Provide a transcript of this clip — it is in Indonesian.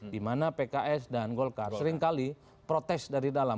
dimana pks dan golkar seringkali protes dari dalam